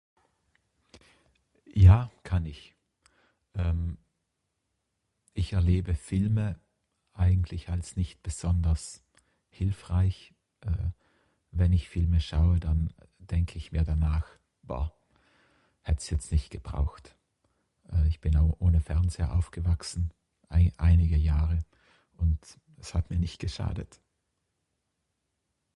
Ja kann ich ehm, ich erlebe Filme eigentlich als nicht besonders hilfreich eh, wenn ich Filme schaue dann denke ich mir danach boar hättst jetzt nicht gebraucht. Eh ich bin auch ohne Fernseher aufgewachsen ei einige Jahre und es hat mir nicht geschadet.